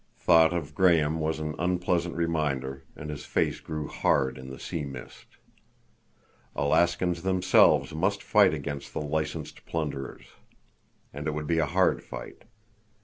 Thought of Graham was an unpleasant reminder, and his face grew hard in the sea mist. Alaskans themselves must fight against the licensed plunderers. And it would be a hard fight.